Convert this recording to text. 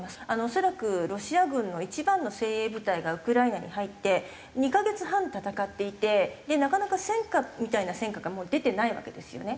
恐らくロシア軍の一番の精鋭部隊がウクライナに入って２カ月半戦っていてなかなか戦果みたいな戦果がもう出てないわけですよね。